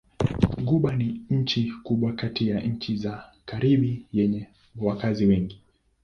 Kuba ni nchi kubwa kati ya nchi za Karibi yenye wakazi wengi.